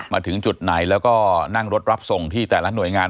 มาถึงจุดไหนแล้วก็นั่งรถรับส่งที่แต่ละหน่วยงาน